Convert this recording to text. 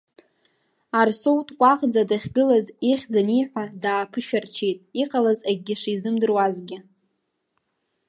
Арсоу дкәаӷӡа дахьгылаз ихьӡ аниҳәа дааԥышәарччеит, иҟалаз акгьы шизымдыруазгьы.